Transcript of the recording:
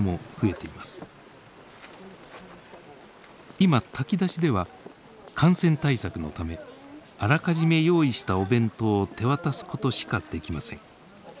今炊き出しでは感染対策のためあらかじめ用意したお弁当を手渡すことしかできません。